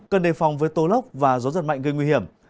cần đề phòng với tô lốc và gió giật mạnh gây nguy hiểm